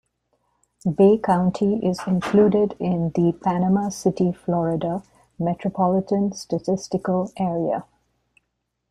Bay County is included in the Panama City, Florida Metropolitan Statistical Area.